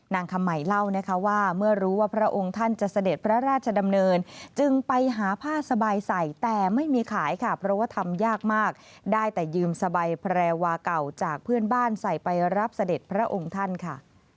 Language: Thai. คำใหม่เล่านะคะว่าเมื่อรู้ว่าพระองค์ท่านจะเสด็จพระราชดำเนินจึงไปหาผ้าสบายใส่แต่ไม่มีขายค่ะเพราะว่าทำยากมากได้แต่ยืมสบายแพรวาเก่าจากเพื่อนบ้านใส่ไปรับเสด็จพระองค์ท่านค่ะ